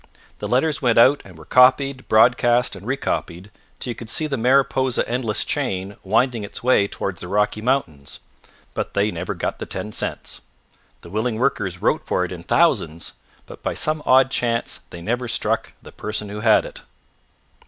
The letters went out and were copied broadcast and recopied, till you could see the Mariposa endless chain winding its way towards the Rocky Mountains. But they never got the ten cents. The Willing Workers wrote for it in thousands, but by some odd chance they never struck the person who had it.